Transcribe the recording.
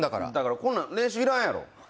こんなん練習いらんやろ。